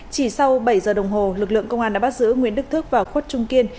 chỉ sau bảy giờ đồng hồ lực lượng công an đã bắt giữ nguyễn đức thức và khuất trung kiên